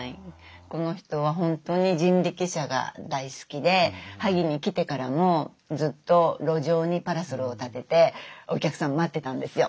この人は本当に人力車が大好きで萩に来てからもずっと路上にパラソルを立ててお客さん待ってたんですよ。